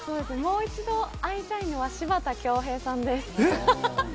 もう一度会いたいのは柴田恭兵さんです。